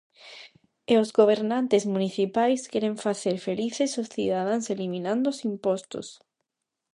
E os gobernantes municipais queren facer felices os cidadáns eliminando os impostos.